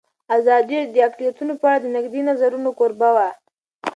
ازادي راډیو د اقلیتونه په اړه د نقدي نظرونو کوربه وه.